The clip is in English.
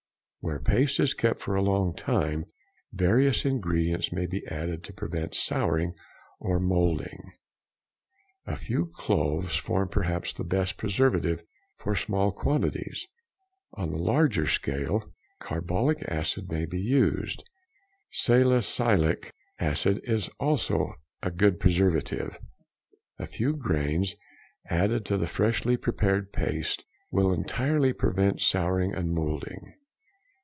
Where paste is kept for a long time, various ingredients may be added to prevent souring and moulding. A few cloves form perhaps the best preservative for small quantities; on the larger scale carbolic acid may be used; salicylic acid is also a good preservative, a few grains added to the freshly prepared paste will entirely prevent souring and moulding.